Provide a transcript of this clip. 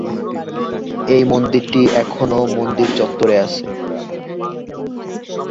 এই মন্দিরটি এখনও মন্দির চত্বরে আছে।